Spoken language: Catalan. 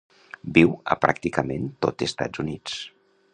Viu a pràcticament tot Estats Units.